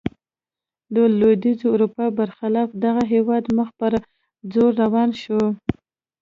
د لوېدیځې اروپا برخلاف دغه هېواد مخ پر ځوړ روان شو.